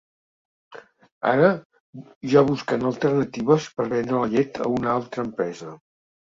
Ara, ja busquen alternatives per vendre la llet a una altra empresa.